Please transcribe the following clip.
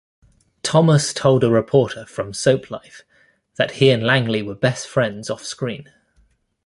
Thomas told a reporter from "Soaplife" that he and Langley were best friends off-screen.